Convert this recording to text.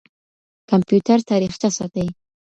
کمپيوټر تاريخچه ساتي.